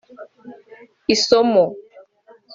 Isomo